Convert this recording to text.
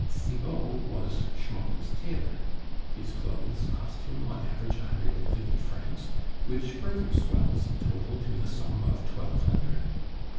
Cibot was Schmucke's tailor; his clothes cost him on average a hundred and fifty francs, which further swells the total to the sum of twelve hundred.